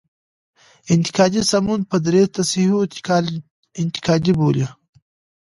انتقادي سمون په دري تصحیح انتقادي بولي.